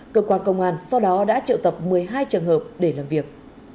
cơ quan công an sau đó đã triệu tập một mươi hai trường hợp để làm việc